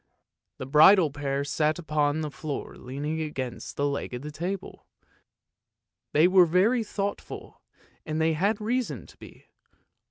The bridal pair sat upon the floor leaning against the leg of the table ; they were very thought ful, and they had reason to be.